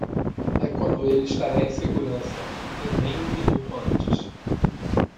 É quando ele estará em segurança e nem um minuto antes.